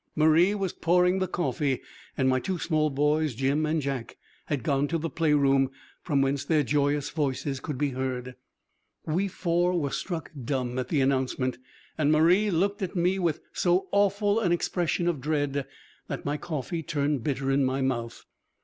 Marie was pouring the coffee, and my two small boys, Jim and Jack, had gone to the playroom, from whence their joyous voices could be heard. We four were struck dumb at the announcement, and Marie looked at me with so awful an expression of dread that my coffee turned bitter in my mouth.